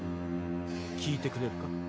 聞いてくれるか？